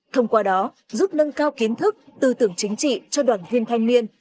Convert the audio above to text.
thông qua đó giúp nâng cao kiến thức tư tưởng chính trị cho đoàn viên thanh niên